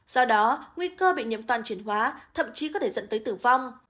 do đó nguy cơ bị nhiễm toàn chuyển hóa thậm chí có thể dẫn tới tử vong